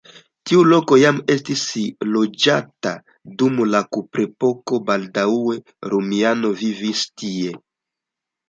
Tiu loko jam estis loĝata dum la kuprepoko, baldaŭe romianoj vivis tie.